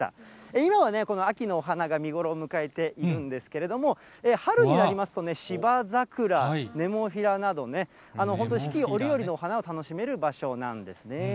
今はこの秋の花が見頃を迎えているんですけれども、春になりますとね、シバザクラ、ネモフィラなどね、本当に四季折々の花を楽しめる場所なんですね。